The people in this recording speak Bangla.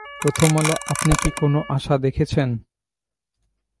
প্রথম আলো আপনি কি কোনো আশা দেখছেন?